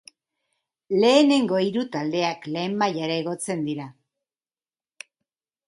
Lehenengo hiru taldeak lehen mailara igotzen dira.